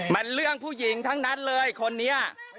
มันเรื่องผู้หญิงทั้งนั้นเลยคนนี้